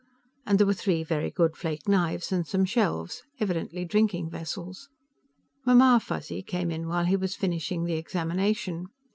And there were three very good flake knives, and some shells, evidently drinking vessels. Mamma Fuzzy came in while he was finishing the examination.